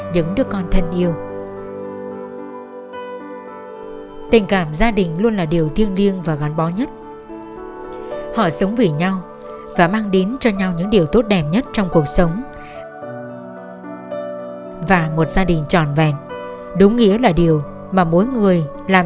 vì một hoàn cảnh éo le hai cháu đã mất cả cha lớn mẹ